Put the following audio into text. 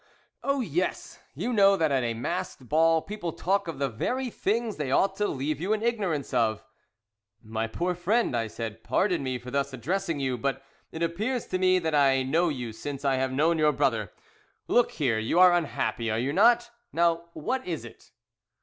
"Oh, yes! You know that at a masked ball people talk of the very things they ought to leave you in ignorance of." "My poor friend," I said, "pardon me for thus addressing you; but it appears to me that I know you since I have known your brother. Look here you are unhappy, are not you? Now what is it?"